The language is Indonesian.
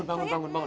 bangun bangun bangun